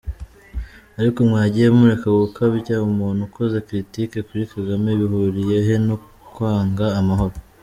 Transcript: Ariko mwagiye mureka gukabya , umuntu ukoze critique kuri Kagame bihuriye he no kwanga amahoro ?